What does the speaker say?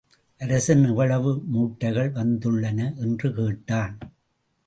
அரசன் எவ்வளவு மூட்டைகள் வந்துள்ளன? என்று கேட்டான்.